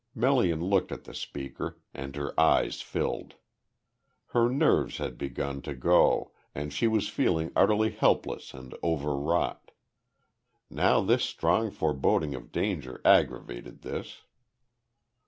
Melian looked at the speaker and her eyes filled. Her nerves had begun to go, and she was feeling utterly helpless and overwrought. Now this strong foreboding of danger aggravated this.